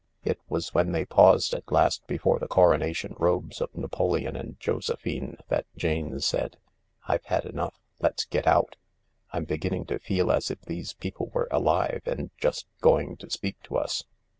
It was when they paused at last before the Coronation Robes of Napoleon and Josephine that Jane said: "I've had enough. Let's get out. I'm beginning to feel as if these people were alive and just going to speak to us."